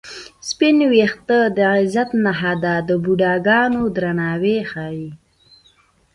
سپین وېښته د عزت نښه ده د بوډاګانو درناوی ښيي